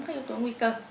các yếu tố nguy cơ